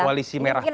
koalisi merah putih